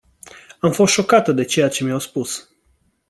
Am fost șocată de ceea ce mi-au spus.